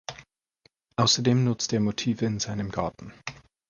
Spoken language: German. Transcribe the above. Außerdem nutzte er Motive in seinem Garten.